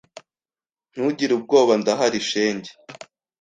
Ntugire ubwoba ndahari shenge.